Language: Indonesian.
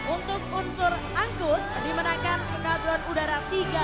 untuk unsur angkut dimenangkan skadron udara tiga